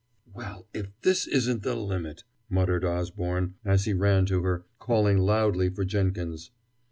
"Well, if this isn't the limit," muttered Osborne, as he ran to her, calling loudly for Jenkins.